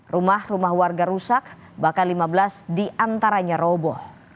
rumah rumah warga rusak bahkan lima belas diantaranya roboh